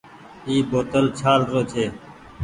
اي بوتل ڇآل رو ڇي۔